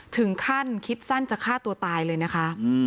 ถึงขั้นคิดสั้นจะฆ่าตัวตายเลยนะคะ